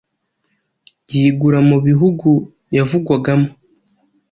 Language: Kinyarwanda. yigura mu bihugu yavugwagamo,